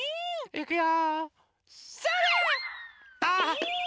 いくよ！